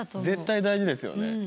絶対大事ですよね。